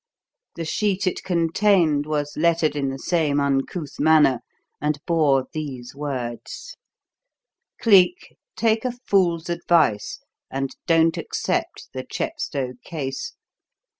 The sheet it contained was lettered in the same uncouth manner, and bore these words: "Cleek, take a fool's advice and don't accept the Chepstow case.